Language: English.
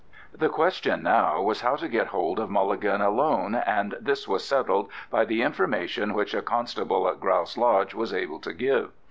The question now was how to get hold of Mulligan alone, and this was settled by the information which a constable at Grouse Lodge was able to give.